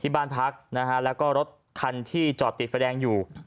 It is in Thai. บ้านพักนะฮะแล้วก็รถคันที่จอดติดไฟแดงอยู่